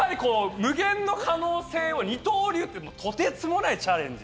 無限の可能性を、二刀流ってとてつもないチャレンジ。